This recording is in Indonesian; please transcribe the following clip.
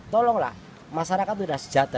tolonglah masyarakat itu sudah sejahtera